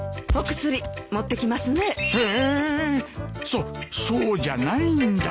そっそうじゃないんだ。